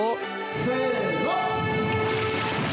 せの！